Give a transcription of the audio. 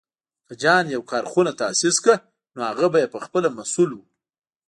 که جان يو کارخونه تاسيس کړه، نو هغه به یې پهخپله مسوول و.